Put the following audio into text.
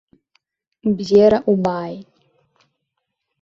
Бзиара убааит!